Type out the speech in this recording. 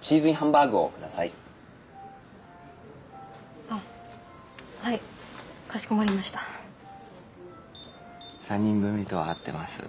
チーズインハンバーグをくださいあっはいかしこまりました３人組とは会ってます？